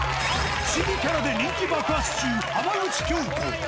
不思議キャラで人気爆発中、浜口京子。